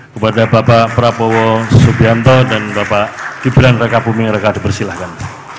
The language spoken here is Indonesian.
kepada bapak prabowo subianto dan bapak gibran rekapumi rekadu silakan